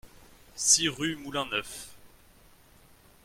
six rue Moulin Neuf